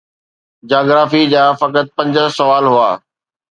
geography جا فقط پنج سوال هئا